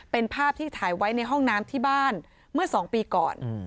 เป็นภาพที่ถ่ายไว้ในห้องน้ำที่บ้านเมื่อ๒ปีก่อน